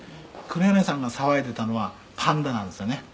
黒柳さんが騒いでいたのはパンダなんですよね」